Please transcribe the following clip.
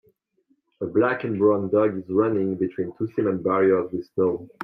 A black and brown dog is running between two cement barriers with snow.